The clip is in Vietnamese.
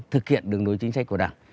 thực hiện đường đối chính sách của đảng